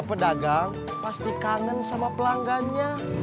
pasti kangen sama pelanggannya